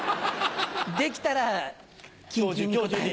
できたら今日中に。